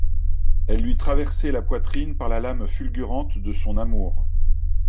Elle lui traversait la poitrine par la lame fulgurante de son amour.